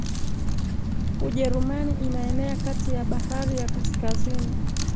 Ujerumani inaenea kati ya bahari ya Kaskazini